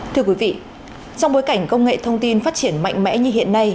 thưa quý vị trong bối cảnh công nghệ thông tin phát triển mạnh mẽ như hiện nay